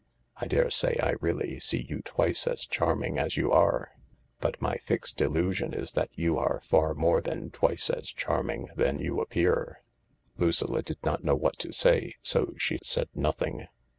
I daresay I really see you twice as charming as you are, but my fixed illusion is that you are far more than twice as charming than you appear." THE LARK Lucilla did not know what to say, so she said nothing.